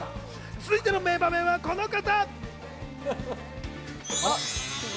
続いての名場面はこの方！